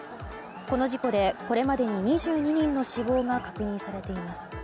この事故で、これまでに２２人の死亡が確認されています。